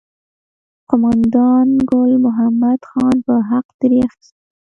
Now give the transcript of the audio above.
قوماندان ګل محمد خان به حق ترې اخیست.